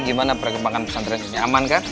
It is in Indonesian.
gimana perkembangan pesantren ini aman kan